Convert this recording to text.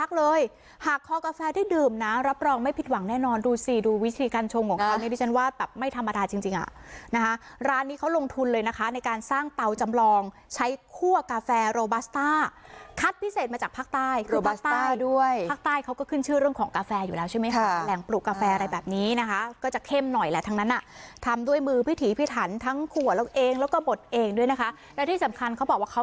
ก็แบบไม่ธรรมดาจริงอ่ะนะคะร้านนี้เขาลงทุนเลยนะคะในการสร้างเตาจำลองใช้คั่วกาแฟโรบัสต้าคัดพิเศษมาจากภาคใต้โรบัสต้าด้วยภาคใต้เขาก็ขึ้นชื่อเรื่องของกาแฟอยู่แล้วใช่ไหมค่ะแหล่งปลูกกาแฟอะไรแบบนี้นะคะก็จะเข้มหน่อยแหละทั้งนั้นอ่ะทำด้วยมือพิถีพิถันทั้งขัวเราเองแล้วก็บทเองด้วยนะคะและท